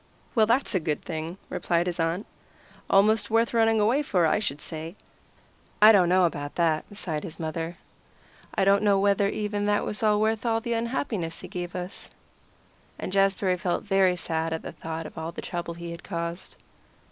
"Well, that's a good thing," replied his aunt. "Almost worth running away for, I should say." "I don't know about that," sighed his mother. "I don't know whether even that was worth all the unhappiness he gave us." And Jazbury felt very sad at the thought of all the trouble he had caused.